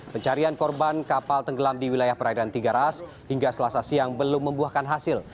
pencarian korban kapal tenggelam di wilayah perairan tiga ras hingga selasa siang belum membuahkan hasil